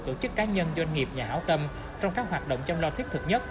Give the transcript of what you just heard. tổ chức cá nhân doanh nghiệp nhà hảo tâm trong các hoạt động chăm lo thiết thực nhất